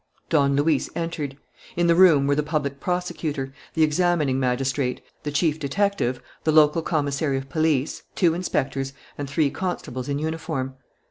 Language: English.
Don Luis entered. In the room were the public prosecutor, the examining magistrate, the chief detective, the local commissary of police, two inspectors, and three constables in uniform.